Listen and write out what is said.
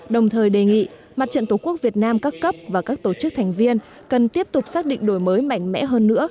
đồng thời đề nghị mặt trận tổ quốc việt nam các cấp và các tổ chức thành viên cần tiếp tục xác định đổi mới mạnh mẽ hơn nữa